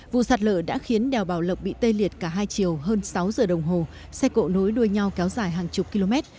vụ sạt lở đã khiến đèo bảo lộc bị tê liệt cả hai chiều hơn sáu giờ đồng hồ xe cộ nối đuôi nhau kéo dài hàng chục km